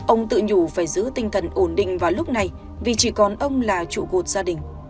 ông tự nhủ phải giữ tinh thần ổn định vào lúc này vì chỉ còn ông là trụ cột gia đình